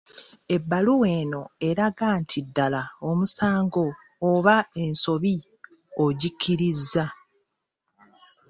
Ebbaluwa eno eraga nti ddala omusango oba ensobi ogikkiriza.